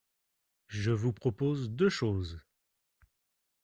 Je vous propose deux choses.